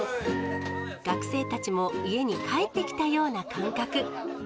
学生たちも、家に帰ってきたような感覚。